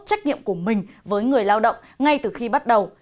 trách nhiệm của mình với người lao động ngay từ khi bắt đầu